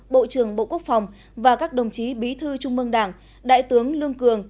bộ trưởng bộ quốc phòng và các đồng chí bí thư trung mương đảng đại tướng lương cường